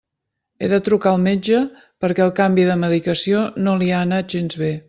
He de trucar al metge perquè el canvi de medicació no li ha anat gens bé.